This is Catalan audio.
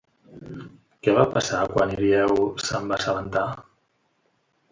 Què va passar quan Hirieu se'n va assabentar?